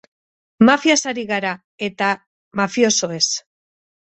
Mafiaz ari gara, eta mafiosoez.